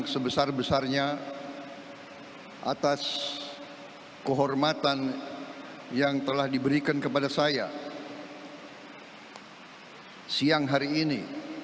sebesar besarnya atas kehormatan yang telah diberikan kepada saya siang hari ini